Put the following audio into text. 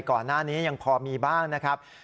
ก่อนหน้านี้ยังพอมีบ้างนะครับ